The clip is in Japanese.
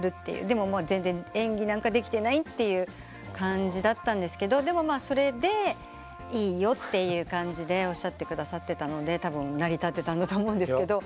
でも全然演技なんかできてない感じだったんですがでもそれでいいよって感じでおっしゃってくださってたのでたぶん成り立ってたんだと思うんですけど。